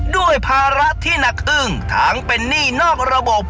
ด้วยภาระที่หนักอึ้งทั้งเป็นหนี้นอกระบบ